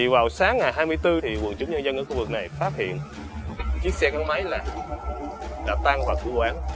vào sáng ngày hai mươi bốn quận chủ nhân dân ở khu vực này phát hiện chiếc xe gắn máy đã tan hoạt của bộ án